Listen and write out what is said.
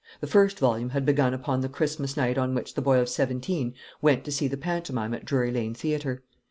The first volume had begun upon the Christmas night on which the boy of seventeen went to see the pantomime at Drury Lane Theatre.